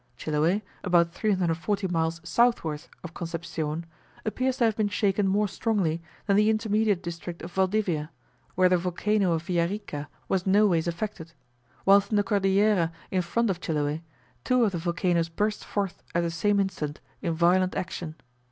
Chiloe, about 340 miles southward of Concepcion, appears to have been shaken more strongly than the intermediate district of Valdivia, where the volcano of Villarica was noways affected, whilst in the Cordillera in front of Chiloe, two of the volcanos burst forth at the same instant in violent action.